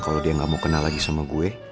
kalau dia gak mau kenal lagi sama gue